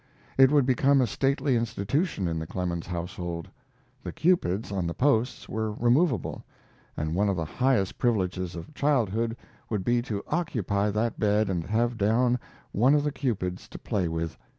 It would become a stately institution in the Clemens household. The cupids on the posts were removable, and one of the highest privileges of childhood would be to occupy that bed and have down one of the cupids to play with.